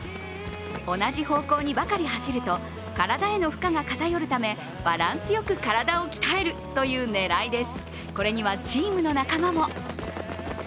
同じ方向にばかり走ると体への負荷が偏るためバランスよく体を鍛えるという狙いです。